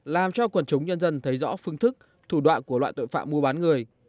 làm cho quần chúng nhân dân thấy rõ phương thức thủ đoạn của loại tội phạm mua bán người